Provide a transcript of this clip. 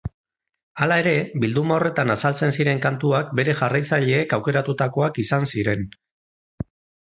Hala ere, bilduma horretan azaltzen ziren kantuak bere jarraitzaileek aukeratutakoak izan ziren.